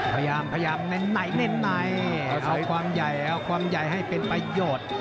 พยายามแน่นเอาความใหญ่ให้เป็นประโยชน์